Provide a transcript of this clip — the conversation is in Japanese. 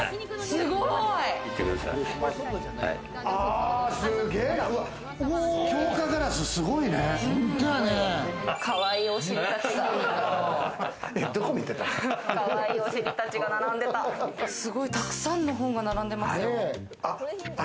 すごいたくさんの本が並んでますよ。